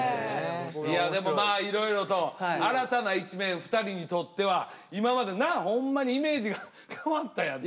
いやでもまあいろいろと新たな一面２人にとっては今までなほんまにイメージが変わったやろ？